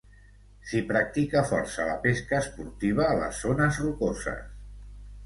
S'hi practica força la pesca esportiva a les zones rocoses.